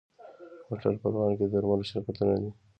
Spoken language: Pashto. هوټل پروان کې د درملو شرکتونه دي.